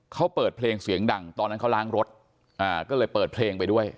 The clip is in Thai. เขาเปิดเพลงเสียงดังตอนนั้นเขาล้างรถก็เลยเปิดเพลงไปด้วย